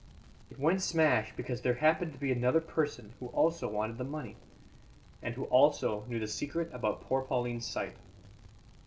It went smash because there happened to be another person who also wanted the money, and who also knew the secret about poor Pauline's sight.